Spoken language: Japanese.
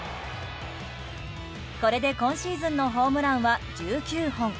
これで今シーズンのホームランは１９本。